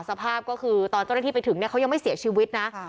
สภาพก็คือตอนเจ้าหน้าที่ไปถึงเนี่ยเขายังไม่เสียชีวิตนะ